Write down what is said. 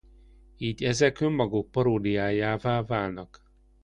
Így ezek önmaguk paródiájává válnak.